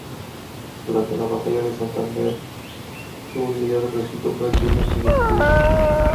Durante la batalla de Santander su unidad resultó prácticamente destruida.